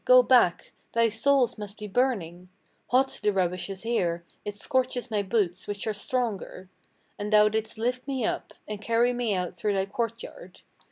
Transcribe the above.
Go back! thy soles must be burning; Hot the rubbish is here: it scorches my boots, which are stronger.' And thou didst lift me up, and carry me out through thy court yard.